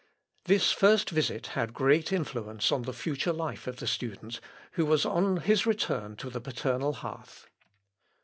This first visit had great influence on the future life of the student, who was on his return to the paternal hearth.